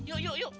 yuk yuk yuk